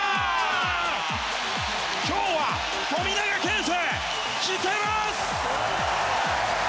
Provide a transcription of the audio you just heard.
今日は富永啓生、来てます！